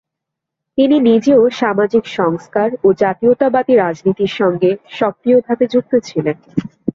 তিনি নিজেও সামাজিক সংস্কার ও জাতীয়তাবাদী রাজনীতির সঙ্গে সক্রিয়ভাবে যুক্ত ছিলেন।